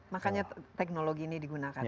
makanya teknologi ini digunakan